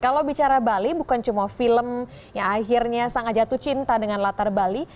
kalau bicara bali bukan cuma film yang akhirnya sangat jatuh cinta dengan latar bali